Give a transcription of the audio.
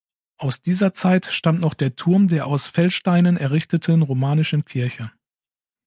Aus dieser Zeit stammt noch der Turm der aus Feldsteinen errichteten romanischen Kirche.